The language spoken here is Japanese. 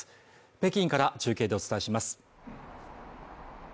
北京から中継でお伝えします。